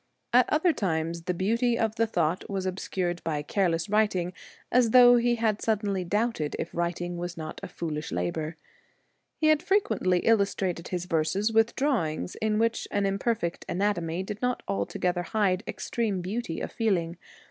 At other times the beauty of the thought was obscured by careless writing as though he had suddenly doubted if writing was not a foolish labour. He had frequently illustrated his verses with draw 18 ings, in which an imperfect anatomy did A not altogether hide extreme beauty of feel ing.